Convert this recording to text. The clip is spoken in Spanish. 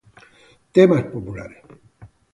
Temas Populares